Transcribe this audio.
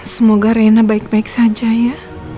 semoga reina baik baik saja ya